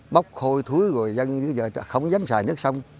bốc hôi thối rồi dân bây giờ không dám xài nước sông